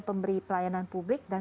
pemberi pelayanan publik dan